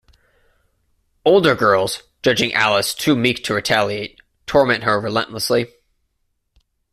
Older girls, judging Alice too meek to retaliate, torment her relentlessly.